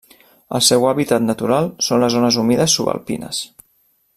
El seu hàbitat natural són les zones humides subalpines.